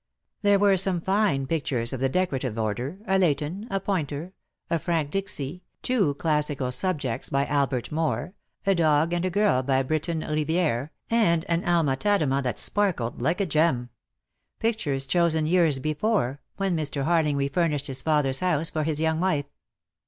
157 There were some fine pictures of the decorative order, a Leighton, a Poynter, a Frank Dicksee, two classical subjects by Albert Moore, a dog and a girl by Briton Riviere, and an Alma Tadema that sparkled like a gem: pictures chosen years before, when Mr. Harling refurnished his father's house for his young wife.